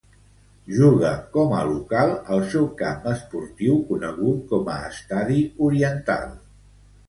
Juga com a local al seu camp esportiu conegut com a Estadi Oriental.